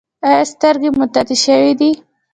ایا سترګې مو تتې شوې دي؟